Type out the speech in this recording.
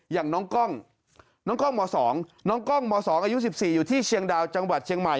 อย่างน้องกล้องน้องกล้องม๒น้องกล้องม๒อายุ๑๔อยู่ที่เชียงดาวจังหวัดเชียงใหม่